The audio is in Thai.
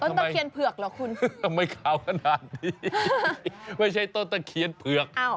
ตะเคียนเผือกเหรอคุณทำไมขาวขนาดนี้ไม่ใช่ต้นตะเคียนเผือก